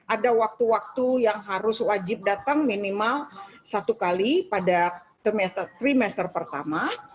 ada waktu waktu yang harus wajib datang minimal satu kali pada trimester pertama